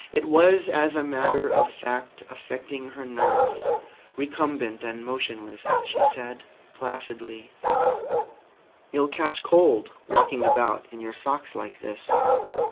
It was, as a matter of fact, affecting her nerves. Recumbent and motionless, she said placidly: "You'll catch cold walking about in your socks like this."